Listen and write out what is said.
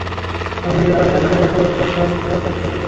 আমি নিজেই পাখিটার খাঁচা পরিষ্কার করতাম, পানি, খাবার চেঞ্জ করে দিতাম।